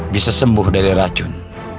bisa sembuh dari racun